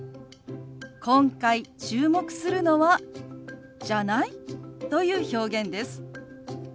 今回注目するのは「じゃない？」という表現です。